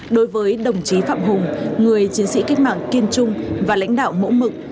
đối với đồng chí phạm hùng người chiến sĩ cách mạng kiên trung và lãnh đạo mẫu mực